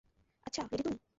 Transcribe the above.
আচ্ছা, রেডি তুমি?